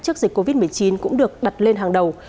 trước dịch covid một mươi chín cũng được đặt lên hàng đầu